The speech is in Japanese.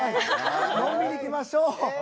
のんびりいきましょう。